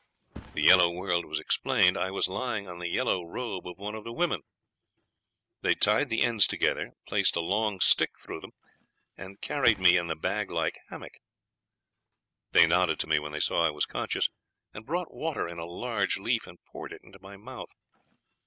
The yellow world was explained. I was lying on the yellow robe of one of the women. They had tied the ends together, placed a long stick through them, and carried me in the bag like hammock. They nodded to me when they saw I was conscious, and brought water in a large leaf, and poured it into my mouth.